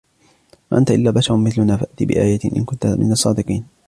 مَا أَنْتَ إِلَّا بَشَرٌ مِثْلُنَا فَأْتِ بِآيَةٍ إِنْ كُنْتَ مِنَ الصَّادِقِينَ